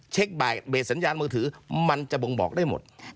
เบสสัญญาณมือถือมันจะบ่งบอกได้หมด